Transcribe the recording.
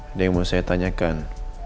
ada yang mau saya tanyakan